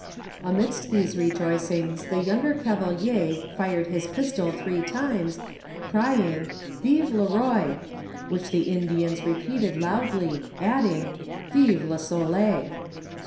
Amidst these rejoicings the younger Gavelier fired his pistol three times, ci7ing "Vive le roi," which the Indians repeated loudly, adding, " Vive le soleil."